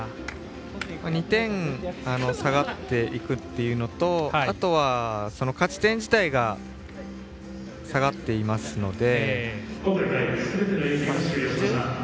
２点下がっていくというのとあとは価値点自体が下がっていますので。